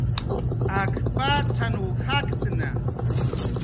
Ak patzanw jaktna